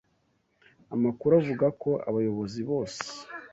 Amakuru avuga ko abayobozi bose